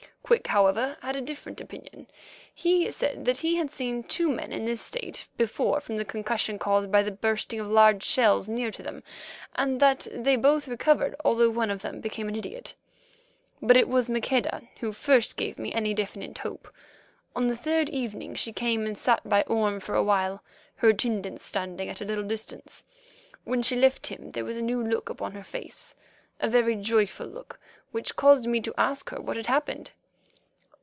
Quick, however, had a different opinion. He said that he had seen two men in this state before from the concussion caused by the bursting of large shells near to them, and that they both recovered although one of them became an idiot. But it was Maqueda who first gave me any definite hope. On the third evening she came and sat by Orme for awhile, her attendants standing at a little distance. When she left him there was a new look upon her face—a very joyful look—which caused me to ask her what had happened.